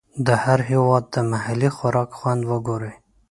د هر هېواد د محلي خوراک خوند وګورئ.